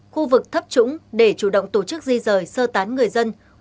khu vực thấp trũng để chủ động tổ chức di rời sơ tán người dân